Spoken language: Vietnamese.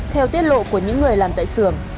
theo tiết lộ của những người làm tại xưởng